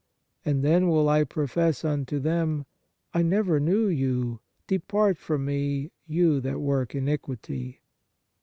And then will I profess unto them, I never knew you : depart from Me, you that work iniquity."